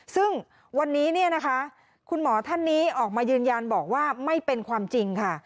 ซึ่งวันนี้เนี่ยนะคะคุณหมอท่านนี้ออกมายืนยันบอกว่าไม่เป็นความจริงค่ะ